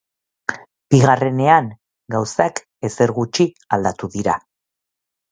Bigarrenean, gauzak ezer gutxi aldatu dira.